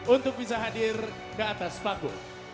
untuk bisa hadir ke atas paku